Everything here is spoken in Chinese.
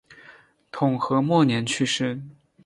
统和末年去世。